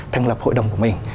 thành lập hội đồng của mình